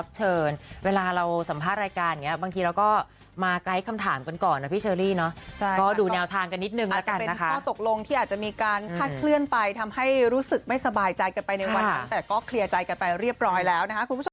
การพัดเคลื่อนไปทำให้รู้สึกไม่สบายใจกันไปในวันแต่ก็เคลียร์ใจกันไปเรียบร้อยแล้วนะคะ